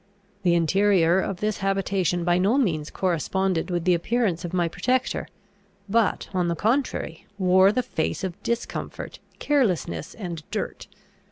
The interior of this habitation by no means corresponded with the appearance of my protector, but, on the contrary, wore the face of discomfort, carelessness, and dirt.